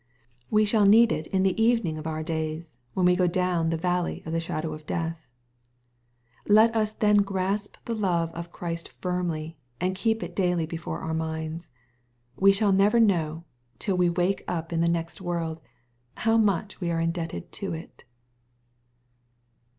We shall need it in the evening of our days, when we go down the valley of the shadow of death. Let us then grasp the love of Christ firmly, and keep it daily before our minds. We shall never know, till we wake up in the next world, how much we are indebted to it.